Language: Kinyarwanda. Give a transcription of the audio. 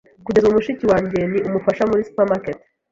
Kugeza ubu, mushiki wanjye ni umufasha muri supermarket.